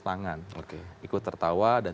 tangan ikut tertawa dan